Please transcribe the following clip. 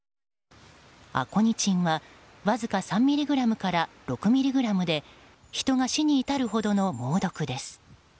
アコニチンはわずか３ｍｇから６ｍｇで人が死に至るほどの猛毒です。